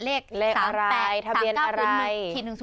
เลข๓๘เลขอะไรทะเบียนอะไร๓๙๑๑๐๖